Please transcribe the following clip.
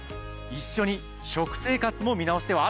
一緒に食生活も見直しては？